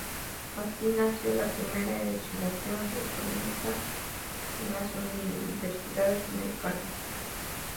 Así nació la primera legislación reformista en las universidades americanas.